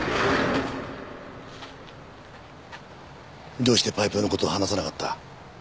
どうしてパイプの事を話さなかった？